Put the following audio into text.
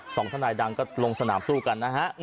ทนายดังก็ลงสนามสู้กันนะฮะ